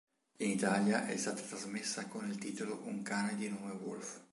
In Italia è stata trasmessa con il titolo "Un cane di nome Wolf".